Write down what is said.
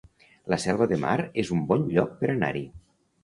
La Selva de Mar es un bon lloc per anar-hi